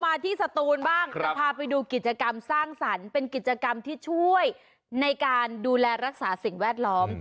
ที่สตูนบ้างเราพาไปดูกิจกรรมสร้างสรรค์เป็นกิจกรรมที่ช่วยในการดูแลรักษาสิ่งแวดล้อม